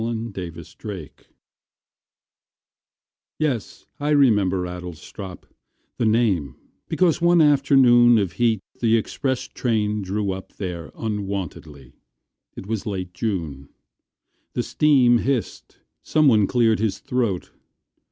Edward Thomas Adlestrop YES, I remember Adlestrop The name because one afternoon Of heat the express train drew up there Unwontedly. It was late June. The steam hissed. Someone cleared his throat.